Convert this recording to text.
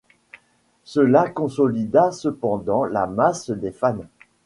Cela consolida cependant la masse des fans.